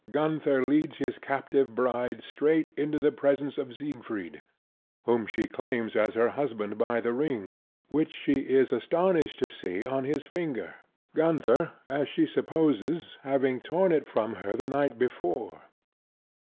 Gunther leads his captive bride straight into the presence of Siegfried, whom she claims as her husband by the ring, which she is astonished to see on his finger: Gunther, as she supposes, having torn it from her the night before.